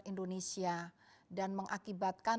indonesia dan mengakibatkan